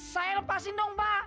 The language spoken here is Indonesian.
saya lepasin dong mbak